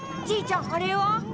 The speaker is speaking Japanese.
じいちゃんあれは？